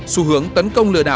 sưu hướng tấn công lý doanh nghiệp